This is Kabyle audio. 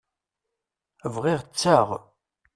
Bɣiɣ ad tteɣ.